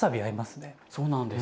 そうなんですよ。